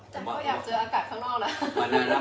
แต่ไม่ค่อยอยากเจออากาศข้างนอกนะ